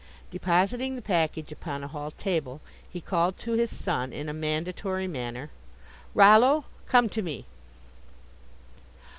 Depositing the package upon a hall table, he called to his son in a mandatory manner: "Rollo, come to me."